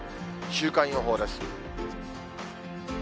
週間予報です。